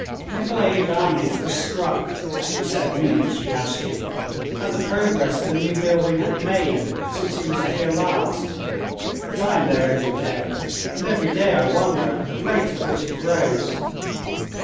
"Nikolay Ivanitch was struck," she said, meaning Sviazhsky, "at the progress the new building had made since he was here last; but I am there every day, and every day I wonder at the rate at which it grows."